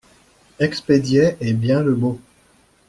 Expédiait est bien le mot.